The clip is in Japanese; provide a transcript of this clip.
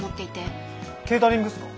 ケータリングっすか？